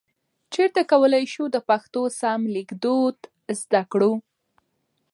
چیرته کولای شو د پښتو سم لیکدود زده کړو؟